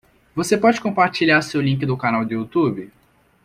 Você pode compartilhar seu link do canal do Youtube?